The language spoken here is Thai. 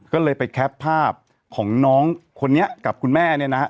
ก็เลยไปแคปภาพของน้องคนนี้กับคุณแม่เนี่ยนะฮะ